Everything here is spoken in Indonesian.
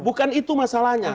bukan itu masalahnya